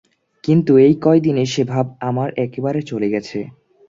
কিন্তু এই কয় দিনে সে ভাব আমার একেবারে চলে গেছে।